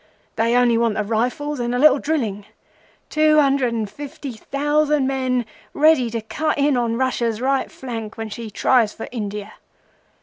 They only want the rifles and a little drilling. Two hundred and fifty thousand men, ready to cut in on Russia's right flank when she tries for India!